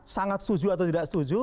sangat setuju atau tidak setuju